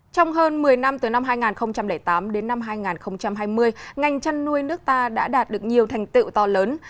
trong hơn một mươi năm từ năm hai nghìn tám đến năm hai nghìn hai mươi ngành chăn nuôi nước ta đã đạt được nhiều thành tựu to lớn